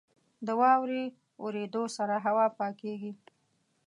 • د واورې اورېدو سره هوا پاکېږي.